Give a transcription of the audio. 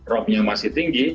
romnya masih tinggi